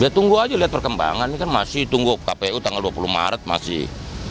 ya tunggu aja lihat perkembangan ini kan masih tunggu kpu tanggal dua puluh maret masih